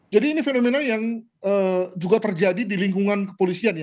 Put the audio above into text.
jadi ini fenomena yang juga terjadi di lingkungan kepolisian